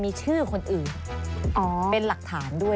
ดูกันด้วย